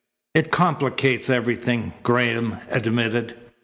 "It complicates everything," Graham admitted.